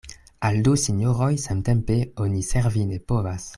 Al du sinjoroj samtempe oni servi ne povas.